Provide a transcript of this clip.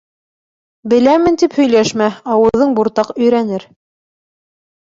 «Беләмен» тип һөйләшмә: ауыҙың буртаҡ өйрәнер.